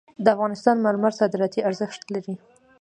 د افغانستان مرمر صادراتي ارزښت لري